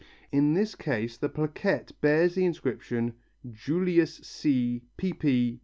In this case the plaquette bears the inscription "IVLLIVS C.